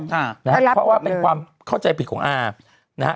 เพราะว่าเป็นความเข้าใจผิดของอานะฮะ